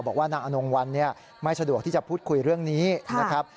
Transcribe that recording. บอกว่านางอนงวัลไม่สะดวกที่จะพูดคุยเรื่องนี้นะครับ